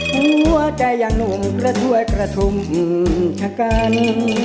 หัวใจอย่างหนุ่มกระถวยกระทุ่มชะกัน